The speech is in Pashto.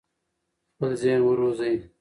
خپل ذهن وروزی.